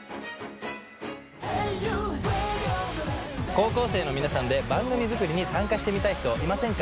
高校生の皆さんで番組作りに参加してみたい人いませんか？